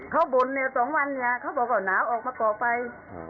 เขาบ่นเนี่ย๒วันเนี่ยเขาบอกว่าหนาวออกมาก่อไป